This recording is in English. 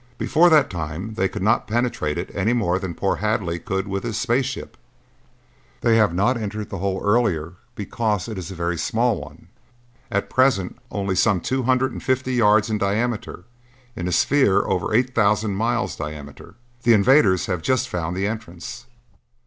Before that time they could not penetrate it any more than poor Hadley could with his space ship. They have not entered the hole earlier because it is a very small one, at present only some two hundred and fifty yards in diameter in a sphere of over eight thousand miles diameter. The invaders have just found the entrance."